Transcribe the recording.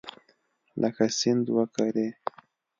لکه سیند وکرې